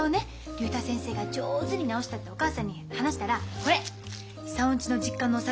竜太先生が上手に治したってお母さんに話したらこれ久男んちの実家のお酒。